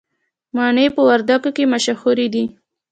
مڼې په وردګو کې مشهورې دي